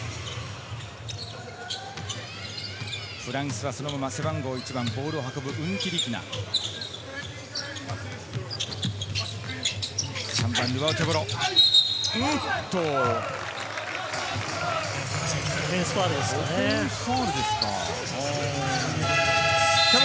フランスはそのまま背番号１番ボールを運ぶウンティリキナ。